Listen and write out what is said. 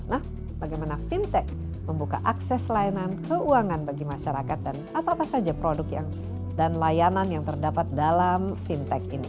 nah bagaimana fintech membuka akses layanan keuangan bagi masyarakat dan apa apa saja produk dan layanan yang terdapat dalam fintech ini